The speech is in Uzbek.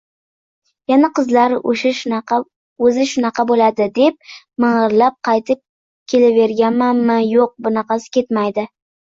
Yana “Qizlar oʻzi shunaqa boʻladi…” deb mingʻirlab qaytib kelaveramanmi? Yoʻq bunaqasi ketmaydi.